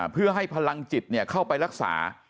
เพื่อให้พลังจิตเข้าไปรักษา